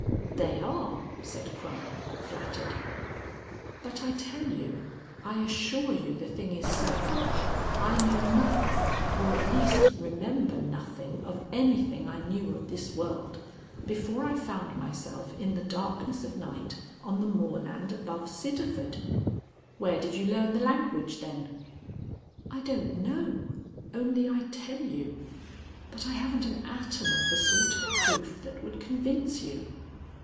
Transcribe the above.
"They are," said Crump flattered. "But I tell you I assure you the thing is so I know nothing, or at least remember nothing of anything I knew of this world before I found myself in the darkness of night on the moorland above Sidderford." "Where did you learn the language then?" "I don't know. Only I tell you But I haven't an atom of the sort of proof that would convince you."